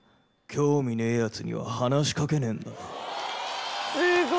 興味ねえやつには話し掛けねえんだ」